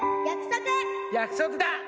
約束だ！